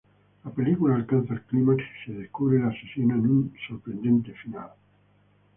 La película alcanza el clímax y se descubre al asesino en un sorprendente final.